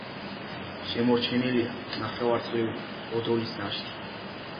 შემორჩენილია ნახევარწრიული გოდოლის ნაშთი.